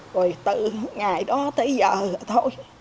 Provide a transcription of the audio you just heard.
rồi từ ngày đó tới giờ rồi thôi